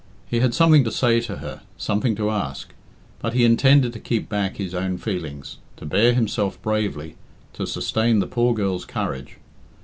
He had something to say to her, something to ask; but he intended to keep back his own feelings, to bear himself bravely, to sustain the poor girl's courage.